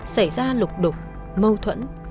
xảy ra lục đục mâu thuẫn